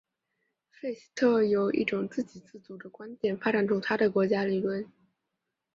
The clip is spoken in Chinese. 费希特由一种自给自足的观点发展出他的国家理论。